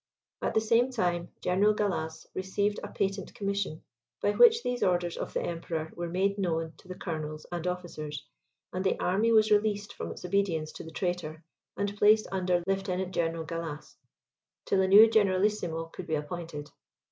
At the same time, General Gallas received a patent commission, by which these orders of the Emperor were made known to the colonels and officers, and the army was released from its obedience to the traitor, and placed under Lieutenant General Gallas, till a new generalissimo could be appointed.